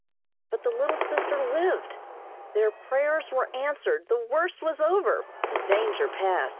But the little sister lived. Their prayers were answered, the worst was over, the danger past.